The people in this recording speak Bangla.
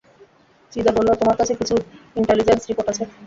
চিদা বললো তোমার কাছে, কিছু ইন্টালিজেন্স রিপোর্ট আছে।